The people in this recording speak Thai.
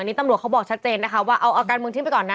นี่ตำรวจเขาบอกชัดเจนนะคะว่าเอาการเมืองทิ้งไปก่อนนะ